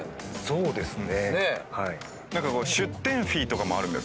そうですね。